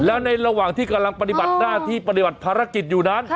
แล้วในระหว่างที่กำลังปฏิบัติหน้าที่ปฏิบัติภารกิจอยู่นั้น